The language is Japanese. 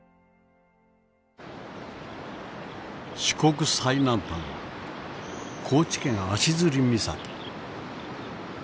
四国最南端高知県足摺岬。